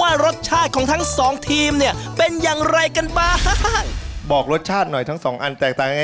ว่ารสชาติของทั้งสองทีมเนี่ยเป็นอย่างไรกันบ้างบอกรสชาติหน่อยทั้งสองอันแตกต่างยังไง